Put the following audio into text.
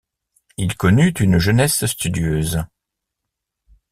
Il connut une jeunesse studieuse.